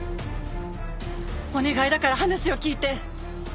お願いだから話を聞いて。